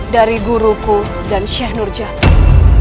dari guruku dan syekh nurjati